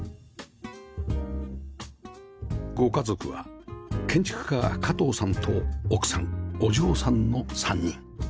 ご家族は建築家加藤さんと奥さんお嬢さんの３人